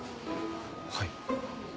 はい。